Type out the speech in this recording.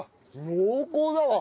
濃厚だわ。